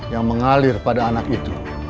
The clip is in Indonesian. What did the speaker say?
yang mengalir pada anak itu